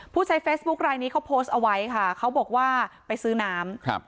ผู้ใช้เฟซบุ๊คลายนี้เขาโพสต์เอาไว้ค่ะเขาบอกว่าไปซื้อน้ำครับ